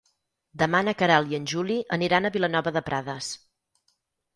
Demà na Queralt i en Juli aniran a Vilanova de Prades.